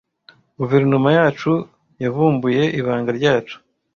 Guverinoma yacu yavumbuye ibanga ryacu.